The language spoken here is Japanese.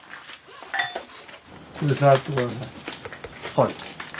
はい。